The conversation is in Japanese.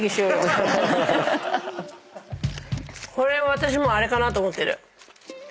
これ私あれかなと思ってる。